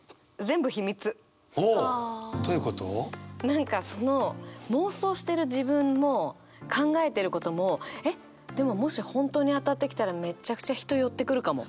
何かその妄想してる自分も考えてることもえっでももし本当に当たってきたらめちゃくちゃ人寄ってくるかも。